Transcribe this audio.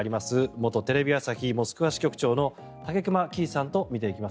元テレビ朝日モスクワ支局長の武隈喜一さんとみていきます。